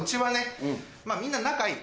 みんな仲いい。